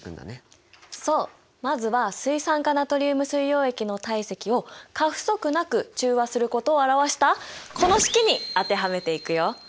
そうまずは水酸化ナトリウム水溶液の体積を過不足なく中和することを表したこの式に当てはめていくよ。